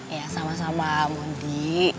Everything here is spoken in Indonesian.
ya sama sama mundi